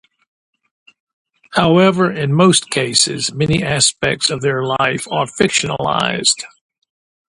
However, in most cases, many aspects of their life are fictionalized.